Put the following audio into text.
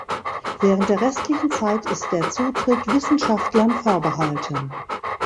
Während der restlichen Zeit ist der Zutritt Wissenschaftlern vorbehalten.